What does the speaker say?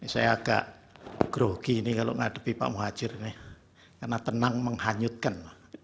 saya agak grogi ini kalau menghadapi pak muhajir ini karena tenang menghanyutkan